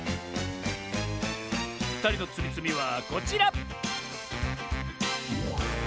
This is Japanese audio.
ふたりのつみつみはこちら！